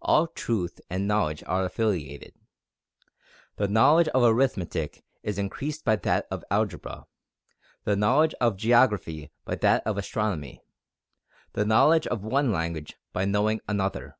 All truth and all knowledge are affiliated. The knowledge of arithmetic is increased by that of algebra, the knowledge of geography by that of astronomy, the knowledge of one language by knowing another.